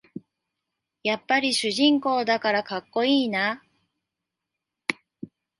やっぱり主人公だからかっこいいな